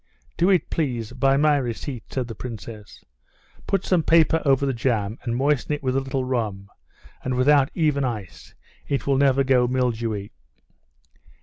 "Do it, please, by my receipt," said the princess; "put some paper over the jam, and moisten it with a little rum, and without even ice, it will never go mildewy."